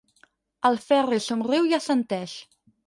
El Ferri somriu i assenteix.